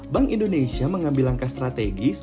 bank indonesia mengambil langkah strategis